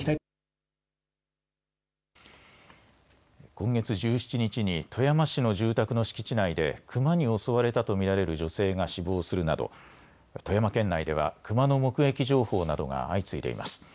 今月１７日に富山市の住宅の敷地内でクマに襲われたと見られる女性が死亡するなど富山県内ではクマの目撃情報などが相次いでいます。